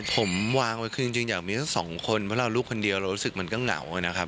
ผมวางไว้คือจริงอยากมีแค่สองคนเพราะเราลูกคนเดียวเรารู้สึกมันก็เหงานะครับ